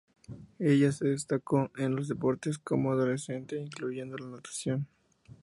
Ella se destacó en los deportes como adolescente, incluyendo la natación.